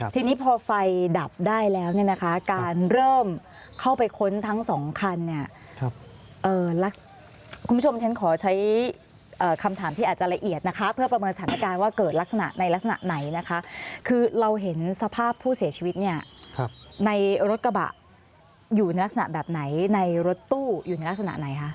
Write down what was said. ทีนี้พอไฟดับได้แล้วเนี่ยนะคะการเริ่มเข้าไปค้นทั้งสองคันเนี่ยคุณผู้ชมฉันขอใช้คำถามที่อาจจะละเอียดนะคะเพื่อประเมินสถานการณ์ว่าเกิดลักษณะในลักษณะไหนนะคะคือเราเห็นสภาพผู้เสียชีวิตเนี่ยในรถกระบะอยู่ในลักษณะแบบไหนในรถตู้อยู่ในลักษณะไหนคะ